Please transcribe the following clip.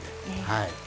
はい。